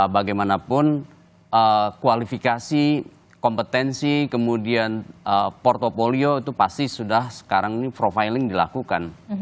bagaimanapun kualifikasi kompetensi kemudian portfolio itu pasti sudah sekarang ini profiling dilakukan